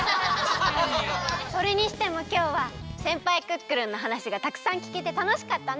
それにしてもきょうはせんぱいクックルンのはなしがたくさんきけてたのしかったね！